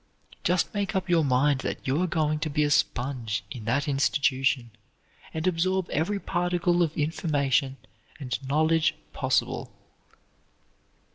Just make up your mind that you are going to be a sponge in that institution and absorb every particle of information and knowledge possible.